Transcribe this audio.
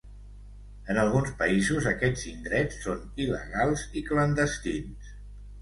En alguns països aquests indrets són il·legals i clandestins.